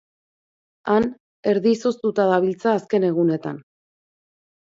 Han erdi izoztuta dabiltza azken egunetan.